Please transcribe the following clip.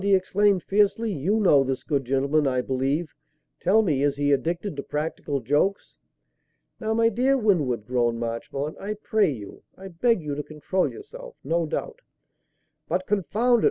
he exclaimed fiercely, "you know this good gentleman, I believe. Tell me, is he addicted to practical jokes?" "Now, my dear Winwood," groaned Marchmont, "I pray you I beg you to control yourself. No doubt " "But confound it!"